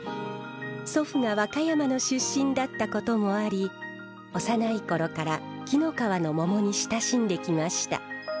祖父が和歌山の出身だったこともあり幼い頃から紀の川の桃に親しんできました。